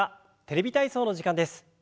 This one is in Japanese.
「テレビ体操」の時間です。